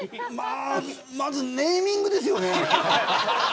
まずネーミングですよね。